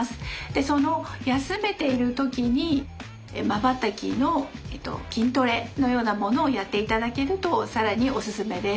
その休めている時にまばたきの筋トレのようなものをやっていただけると更にオススメです。